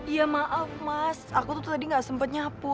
iya maaf mas aku tuh tadi nggak sempet nyapu